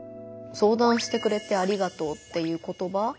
「相談してくれてありがとう」っていう言葉。